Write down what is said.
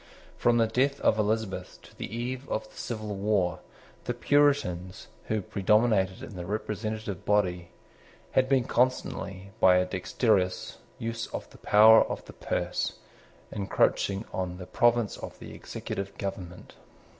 From the death of Elizabeth to the eve of the civil war, the Puritans, who predominated in the representative body, had been constantly, by a dexterous use of the power of the purse, encroaching on the province of the executive government.